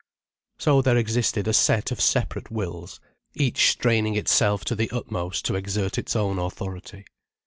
So there existed a set of separate wills, each straining itself to the utmost to exert its own authority.